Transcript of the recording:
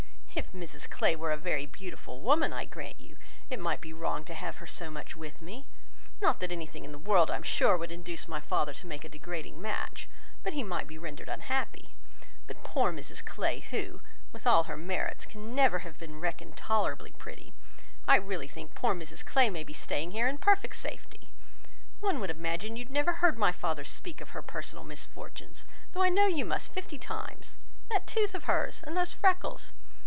If Mrs Clay were a very beautiful woman, I grant you, it might be wrong to have her so much with me; not that anything in the world, I am sure, would induce my father to make a degrading match, but he might be rendered unhappy. But poor Mrs Clay who, with all her merits, can never have been reckoned tolerably pretty, I really think poor Mrs Clay may be staying here in perfect safety. One would imagine you had never heard my father speak of her personal misfortunes, though I know you must fifty times. That tooth of her's and those freckles.